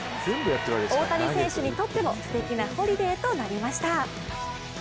大谷選手にとってもすてきなホリデーとなりました。